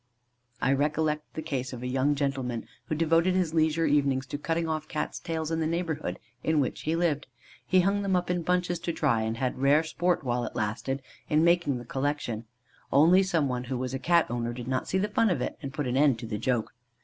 I recollect the case of a young gentleman who devoted his leisure evenings to cutting off Cats' tails in the neighbourhood in which he lived. He hung them up in bunches to dry, and had rare sport, while it lasted, in making the collection, only some one, who was a Cat owner, did not see the fun of it, and put an end to the joke.